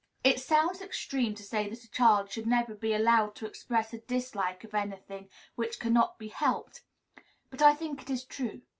It sounds extreme to say that a child should never be allowed to express a dislike of any thing which cannot be helped; but I think it is true.